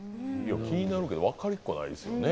気になるけど分かりっこないですよね。